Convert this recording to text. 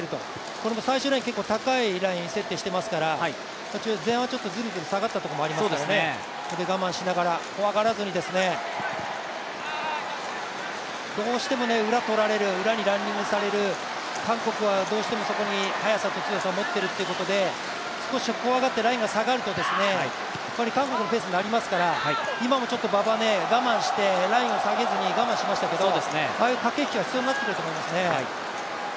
これも最終ライン、結構高いライン設定していますから前半はずるずる下がったところもありますからね、我慢しながら、怖がらずに、どうしても裏とられる裏にランニングされる、韓国はどうしてもそこに速さと強さを持っているということで、少し怖がってラインが下がると韓国のペースになりますから今もちょっと馬場、ラインを下げずに我慢しましたけど、ああいう駆け引きが必要になってくると思いますね。